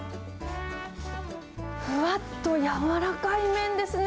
ふわっとやわらかい麺ですね。